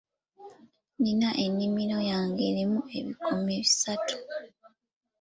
Nina ennimiro yange erimu ebikoomi bisatu.